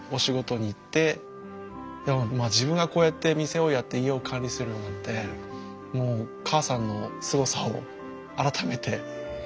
自分がこうやって店をやって家を管理するようになってもう母さんのすごさを改めて実感しました。